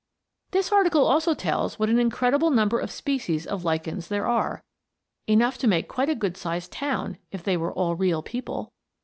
This article also tells what an incredible number of species of lichens there are enough to make quite a good sized town, if they were all real people.